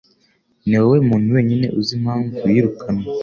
Niwowe muntu wenyine uzi impamvu yirukanwe.